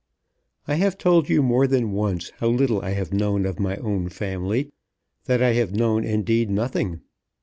I have told you more than once how little I have known of my own family, that I have known indeed nothing.